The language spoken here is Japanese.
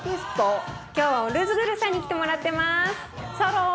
今日はオルズグルさんに来てもらってます。